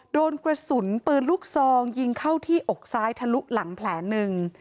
โดนกระสุนปืนลูกซองยิงเข้าที่อกซ้ายทะลุหลังแผลหนึ่ง